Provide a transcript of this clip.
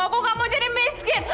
aku gak mau jadi miskin